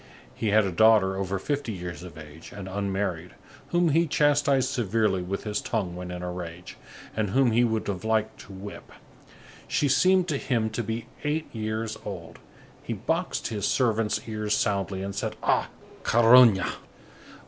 He had a daughter over fifty years of age, and unmarried, whom he chastised severely with his tongue, when in a rage, and whom he would have liked to whip. She seemed to him to be eight years old. He boxed his servants' ears soundly, and said: "Ah! carogne!"